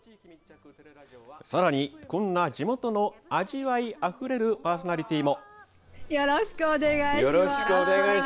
さらにこんな地元の味わいあふれるパーソナリティーも。